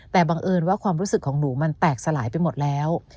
แต่บังเอิญว่าความรู้สึกของหนูมันแตกสลายไปหมดแล้ว